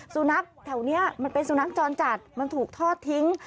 สุนัขแถวนี้มันเป็นสุนัขจรจัดมันถูกทอดทิ้ง